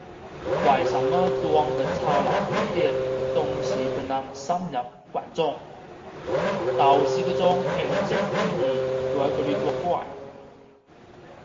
为什么党的策略路线总是不能深入群众，就是这种形式主义在那里作怪。